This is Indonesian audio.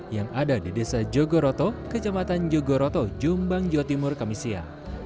yang ada di desa jogoroto kecamatan jogoroto jombang jawa timur kamisia